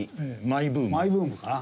マイブームかな。